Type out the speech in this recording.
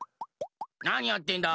なにやってんだ？